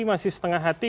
masih setengah hati